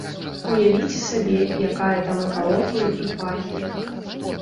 Уявіце сабе, якая там экалогія і пахі.